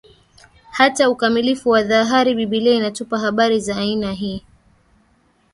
hata ukamilifu wa dhahari Biblia inatupa habari za aina hii